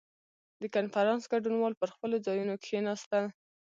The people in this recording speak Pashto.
• د کنفرانس ګډونوال پر خپلو ځایونو کښېناستل.